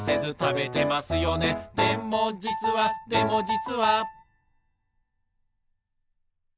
「でもじつはでもじつは」